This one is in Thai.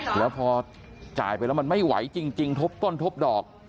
แล้วพอจ่ายไปแล้วมันไม่ไหวจริงทบต้นทบดอก